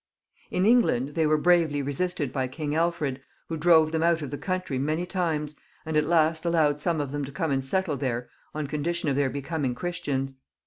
In England they were bravely resisted by Eling Alfred, who drove them out of the country many times, and at last allowed some of them to come and settle there on condition of their becoming Christians.